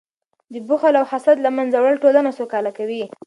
د بخل او حسد له منځه وړل ټولنه سوکاله کوي.